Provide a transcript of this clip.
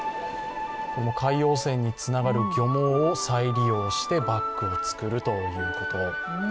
海洋汚染につながる漁網を再利用してバッグを作るということ。